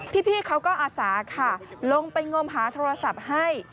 พี่เขาก็อาสาค่ะลงไปงมหาโทรศัพท์ให้